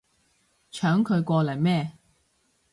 搶佢過嚟咩